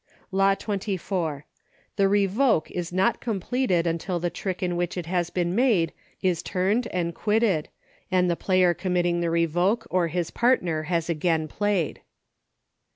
LAWS. 99 Law XXIV. The revoke is not completed until the trick in which it has been made is turned and quit ted, and the player committing the revoke, or his partner, has again played.